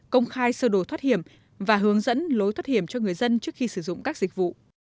công khai sơ đồ thoát hiểm và hướng dẫn lối thoát hiểm cho người dân trước khi sử dụng các dịch vụ